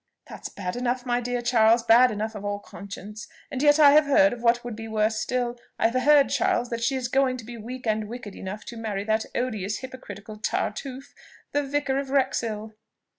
"That's bad enough, my dear Charles, bad enough of all conscience; and yet I have heard of what would be worse still: I have heard, Charles, that she is going to be weak and wicked enough to marry that odious hypocritical Tartuffe, the Vicar of Wrexhill."